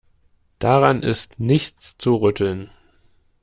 Daran ist nichts zu rütteln.